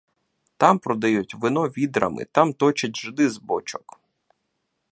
Там продають вино відрами, там точать жиди з бочок.